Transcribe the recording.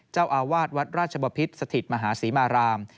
เจ้าอาวาสวัสดิ์ราชบพิษศรัทธิตรมหาศรีมาราม